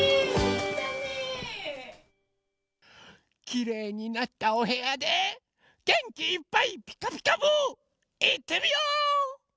きれいになったおへやでげんきいっぱい「ピカピカブ！」いってみよう！